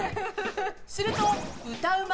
すると歌うま